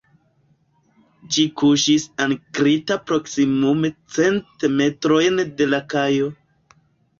Ĝi kuŝis ankrita proksimume cent metrojn de la kajo.